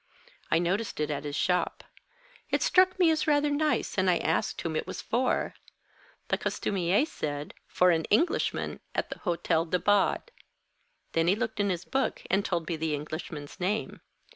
I noticed it at his shop. It struck me as rather nice, and I asked whom it was for. The costumier said, for an Englishman at the Hôtel de Bade. Then he looked in his book, and told me the Englishman's name.